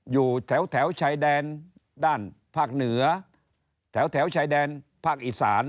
อยู่แถวชายแดนด้านภาคเหนือแถวชายแดนภาคอีสาน